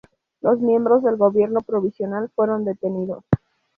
Los miembros del gobierno provisional fueron detenidos.